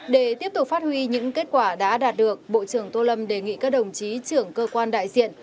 để tiếp tục phát huy những kết quả đã đạt được bộ trưởng tô lâm đề nghị các đồng chí trưởng cơ quan đại diện